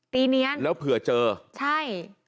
ตีเนียนใช่